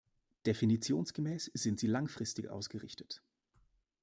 Definitionsgemäß sind sie langfristig ausgerichtet.